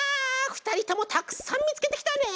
ふたりともたくさんみつけてきたね！